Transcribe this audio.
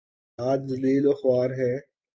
آج ذلیل وخوار ہیں۔